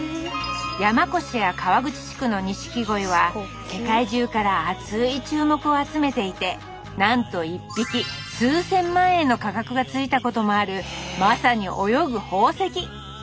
山古志や川口地区の錦鯉は世界中から熱い注目を集めていてなんと１匹数千万円の価格がついたこともあるまさに泳ぐ宝石！